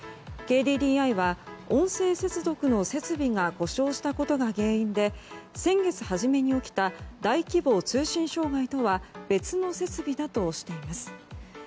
ＫＤＤＩは、音声接続の設備が故障したことが原因で先月初めに起きた大規模通信障害とは別の設備だとしています。